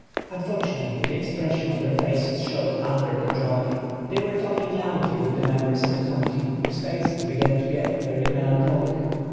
Unfortunately the ex pression on their faces showed other than joy. They were talking loudly with the members of the committee, whose faces besan to get very melancholic.